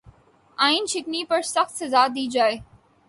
آئین شکنی پر سخت سزا دی جائے